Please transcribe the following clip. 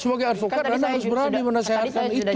sebagai advokat anda harus berani menasehatkan itu